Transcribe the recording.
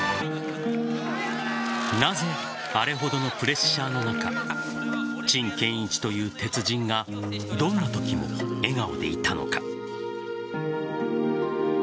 なぜあれほどのプレッシャーの中陳建一という鉄人がどんなときも笑顔でいたのか。